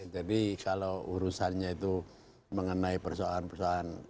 jadi kalau urusannya itu mengenai persoalan persoalan